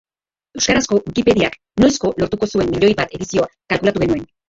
Euskarazko Wikipediak noizko lortuko zuen miloi bat edizio kalkulatu genuen.